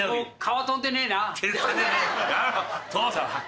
父さん。